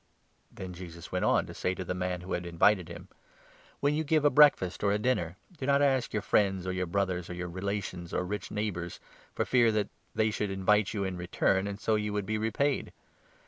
Then Jesus went on to say to the man who had invited 12 him : "When you give a breakfast or a dinner, do not ask your friends, or your brothers, or your relations, or rich neighbours, for fear that they should invite you in return, and so you should be repaid.